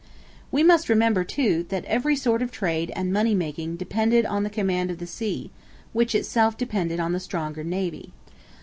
We must remember, too, that every sort of trade and money making depended on the command of the sea, which itself depended on the stronger navy.